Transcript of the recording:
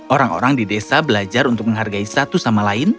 orang orang di desa belajar untuk menghargai satu sama lain